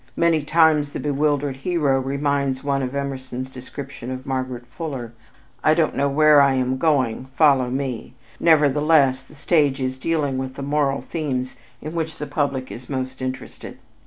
Many times the bewildered hero reminds one of Emerson's description of Margaret Fuller, "I don't know where I am going, follow me"; nevertheless, the stage is dealing with the moral themes in which the public is most interested.